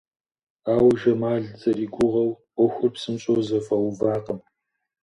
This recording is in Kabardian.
Ауэ Жамал зэригугъэу ӏуэхур псынщӏэу зэфӏэувакъым.